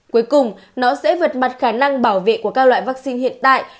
cuối cùng nó sẽ vượt mặt khả năng bảo vệ của các loại vaccine hiện tại